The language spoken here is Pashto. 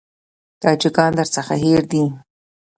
تاجکان درڅخه هېر دي.